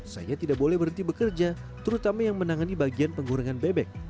saya tidak boleh berhenti bekerja terutama yang menangani bagian penggorengan bebek